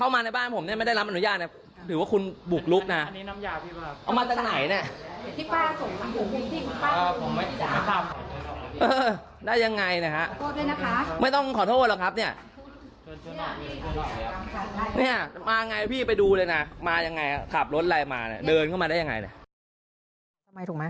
มาไงพี่ไปดูเลยนะมายังไงขับรถอะไรมาเนี่ยเดินเข้ามาได้ยังไงเนี่ย